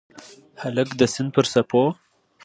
هلک د سیند پر څپو